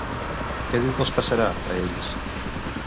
Què diu que els passarà, a ells?